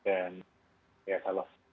dan ya kalau